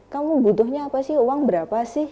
kamu butuhnya apa sih uang berapa sih